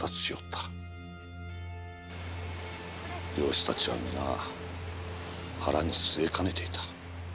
漁師たちは皆腹に据えかねていた。